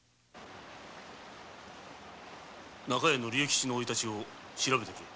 中屋の竜吉の生い立ちを調べてくれ。